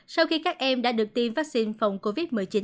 sau khi các em đã được tiêm vaccine phòng covid một mươi chín